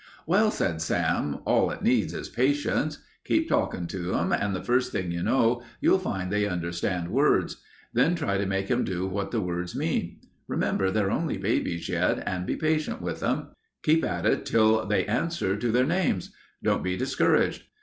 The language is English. "Well," said Sam, "all it needs is patience. Keep talkin' to 'em and the first thing you know you'll find they understand words. Then try to make 'em do what the words mean. Remember they're only babies yet and be patient with 'em. Keep at it until they answer to their names. Don't be discouraged.